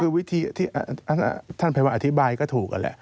คือวิธีที่ท่านไพบุนอธิบายถูก